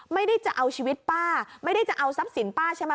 ไม่ได้จะเอาชีวิตป้าไม่ได้จะเอาทรัพย์สินป้าใช่ไหม